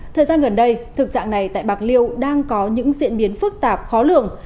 thời gian gần đây thực trạng này tại bạc liêu đang có những diễn biến phức tạp khó lường